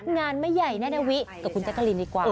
งานไม่ใหญ่แน่นะวิกับคุณแจ๊กกะลินดีกว่า